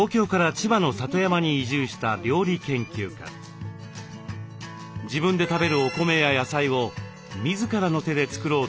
自分で食べるお米や野菜を自らの手で作ろうと一念発起。